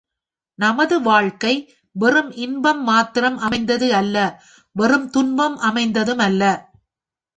நமது வாழ்க்கை வெறும் இன்பம் மாத்திரம் அமைந்தது அல்ல வெறும் துன்பம் அமைந்ததும் அல்ல.